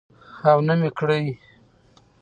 او نه مې کړى.